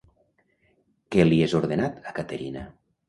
Què li és ordenat a Caterina?